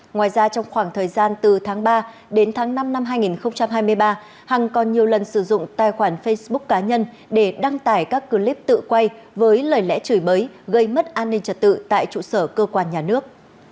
ngoài ra trong khoảng thời gian từ tháng ba đến tháng năm năm hai nghìn hai mươi ba hằng còn nhiều lần sử dụng tài khoản facebook cá nhân để đăng tải các clip tự quay với lời lẽ chửi bới gây mất an ninh trật tự tại trụ sở cơ quan nhà nước